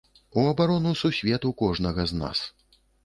У абарону сусвету кожнага з нас.